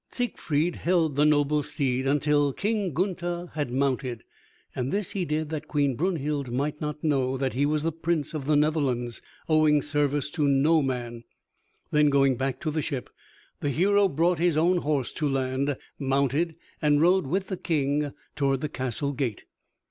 Siegfried held the noble steed until King Gunther had mounted, and this he did that Queen Brunhild might not know that he was the Prince of the Netherlands, owing service to no man. Then going back to the ship the hero brought his own horse to land, mounted, and rode with the King toward the castle gate.